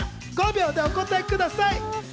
５秒でお答えください。